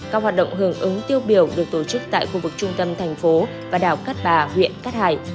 các hoạt động hưởng ứng tiêu biểu được tổ chức tại khu vực trung tâm thành phố và đảo cát bà huyện cát hải